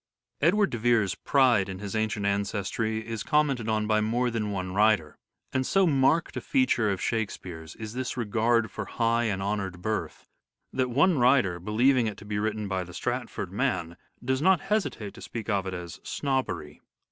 Edward de Vere's pride in his ancient ancestry is birth. commented on by more than one writer ; and so marked a feature of Shakespeare's is this regard for high and honoured birth, that one writer, believing it to be written by the Stratford man, does not hesitate to speak of it as " snobbery."